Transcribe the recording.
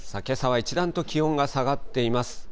けさは一段と気温が下がっています。